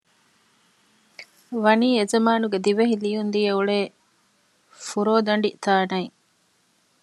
ވަނީ އެ ޒަމާނުގެ ދިވެހި ލިޔުން ލިޔެ އުޅޭ ފުރޯދަނޑި ތާނައިން